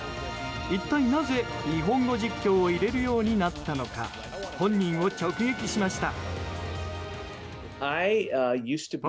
一体なぜ日本語実況を入れるようになったのか本人を直撃しました。